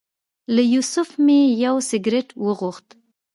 له یوسف مې یو سګرټ وغوښت.